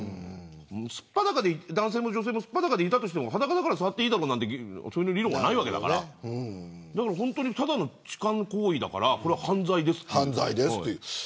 素っ裸で男性も女性もいたとしても裸だから触っていいだろうなんていう理論はないわけだから本当に、ただの痴漢行為だからこれは犯罪です。